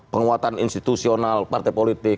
penguatan institusional partai politik